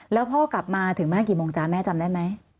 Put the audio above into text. แล้วพ่อกลับมาถึงบ้านกี่โมงจ๊ะแม่จำได้ไหม